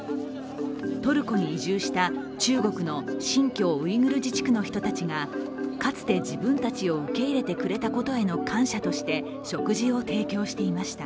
トルコに移住した中国の新疆ウイグル自治区の人たちがかつて自分たちを受け入れてくれたことへの感謝として食事を提供していました。